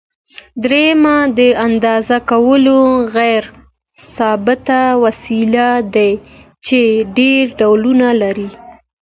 دریم د اندازه کولو غیر ثابت وسایل دي چې ډېر ډولونه لري.